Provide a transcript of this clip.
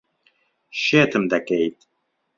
شێتم دەکەیت.